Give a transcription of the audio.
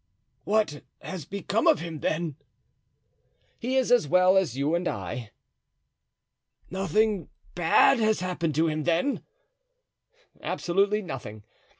"What has become of him, then?" "He is as well as you and I." "Nothing bad has happened to him, then?" "Absolutely nothing.